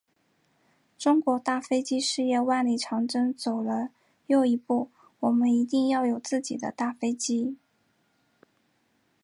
中国大飞机事业万里长征走了又一步，我们一定要有自己的大飞机。